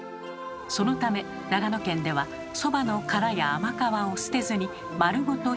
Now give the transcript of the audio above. そのため長野県ではそばの殻や甘皮を捨てずに丸ごとひいたのです。